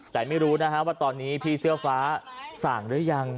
แต่ไม่รู้นะฮะว่าตอนนี้พี่เสื้อฟ้าสั่งหรือยัง